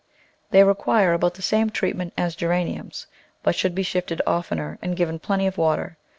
They require about the same treat ment as Geraniums, but should be shifted oftener and given plenty of water.